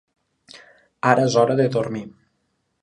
Ara és hora de dormir.